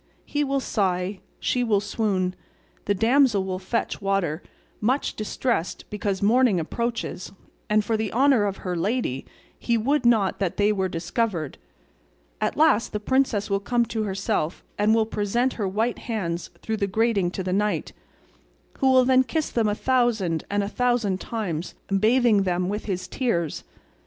He will sigh, she will swoon, the damsel will fetch water, much distressed because morning approaches, and for the honour of her lady he would not that they were discovered; at last the princess will come to herself and will present her white hands through the grating to the knight, who will kiss them a thousand and a thousand times, bathing them with his tears.